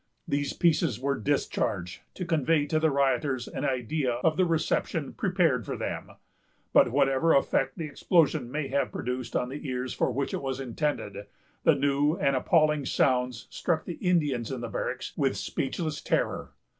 These pieces were discharged, to convey to the rioters an idea of the reception prepared for them; but whatever effect the explosion may have produced on the ears for which it was intended, the new and appalling sounds struck the Indians in the barracks with speechless terror.